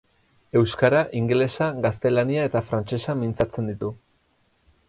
Euskara, ingelesa, gaztelania eta frantsesa mintzatzen ditu.